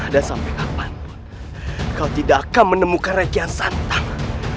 dan sampai kapanpun kau tidak akan menemukan kian santang